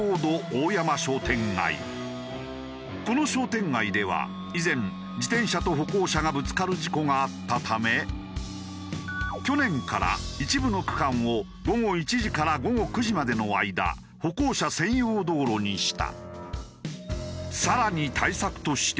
この商店街では以前自転車と歩行者がぶつかる事故があったため去年から一部の区間を午後１時から午後９時までの間歩行者専用道路にした。